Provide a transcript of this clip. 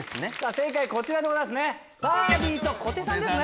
正解こちらでございますね。